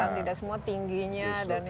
tidak semua tingginya